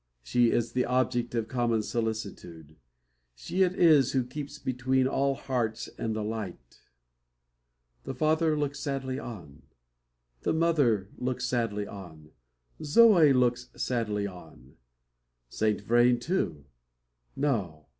She is the object of common solicitude. She it is who keeps between all hearts and the light. The father looks sadly on; the mother looks sadly on; Zoe looks sadly on; Saint Vrain, too. No!